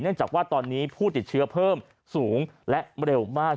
จากว่าตอนนี้ผู้ติดเชื้อเพิ่มสูงและเร็วมาก